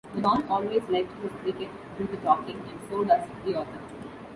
The Don always let his cricket do the talking and so does the author.